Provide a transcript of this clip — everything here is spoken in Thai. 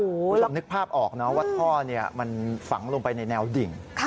คุณผู้ชมนึกภาพออกนะว่าท่อมันฝังลงไปในแนวดิ่ง